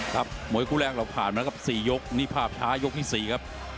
มวยคู่แรกเราผ่านมาครับ๔ยกนี่ภาพช้ายกที่๔ครับ